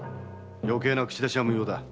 余計な口出しは無用だ。